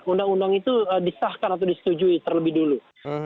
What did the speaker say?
undang undang itu disahkan atau disetujui terlebih dulu